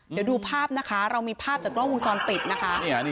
เดี๋ยวดูภาพนะคะเรามีภาพจากกล้องวงจรปิดนะคะ